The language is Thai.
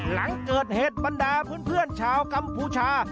หลังเกิดเหตุบรรดาเพื่อนชาวกัมพูชา